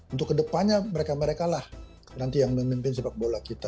untuk kedepannya mereka mereka lah nanti yang memimpin sepak bola kita